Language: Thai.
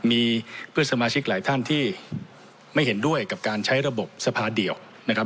มีเพื่อนสมาชิกหลายท่านที่ไม่เห็นด้วยกับการใช้ระบบสภาเดียวนะครับ